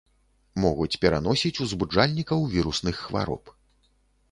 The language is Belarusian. Могуць пераносіць узбуджальнікаў вірусных хвароб.